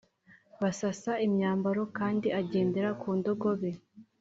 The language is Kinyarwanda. Basasa imyambaro kandi agendera ku ndogobe